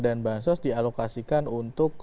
dan bahan sos dialokasikan untuk